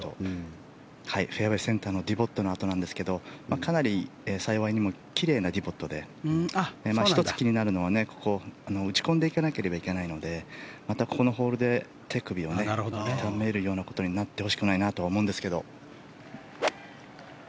フェアウェーセンターのディボットの跡でかなり幸いにも奇麗なディボットで１つ、気になるのは打ち込んでいかなければいけないのでこのホールでまた手首を痛めるようなことになってほしくないなと思うんですが。